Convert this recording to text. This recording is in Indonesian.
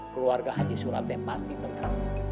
keluarga haji suranteh pasti tentera